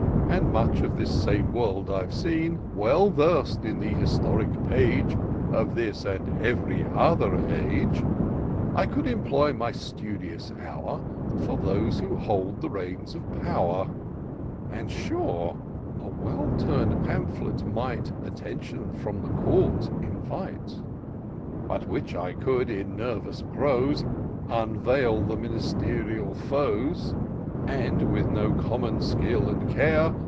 And much of this same world I've seen : Well vers'd in the historic page Of this and ev'ry other age, I could employ my studious hour For those who hold the reins of power; And sure a well turn'd pamphlet might Attention from the court invite ; By which I could, in nervous prose. Unveil the ministerial foes ; And, with no common skill and care.